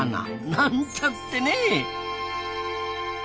なんちゃってね。